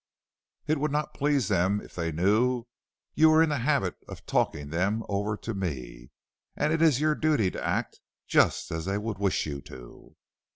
It would not please them if they knew you were in the habit of talking them over to me, and it is your duty to act just as they would wish you to."